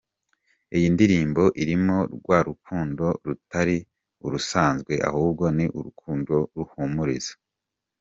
Iyi ndirimbo irimo rwa rukundo rutari urusanzwe ahubwo ni urukundo ruhumuriza.